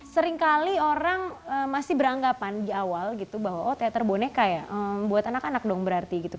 seringkali orang masih beranggapan di awal gitu bahwa oh teater boneka ya buat anak anak dong berarti gitu